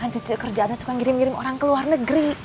emang kan coyoyo kerjaannya suka ngirim ngirim orang ke luar negeri